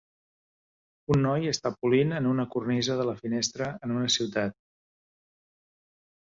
Un noi està polint en una cornisa de la finestra en una ciutat.